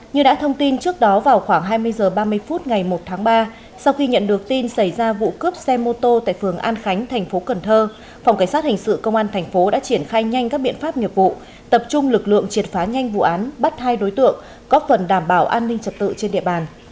như đã thông tin trước đó vào khoảng hai mươi h ba mươi phút ngày một tháng ba sau khi nhận được tin xảy ra vụ cướp xe mô tô tại phường an khánh thành phố cần thơ phòng cảnh sát hình sự công an thành phố đã triển khai nhanh các biện pháp nghiệp vụ tập trung lực lượng triệt phá nhanh vụ án bắt hai đối tượng góp phần đảm bảo an ninh trật tự trên địa bàn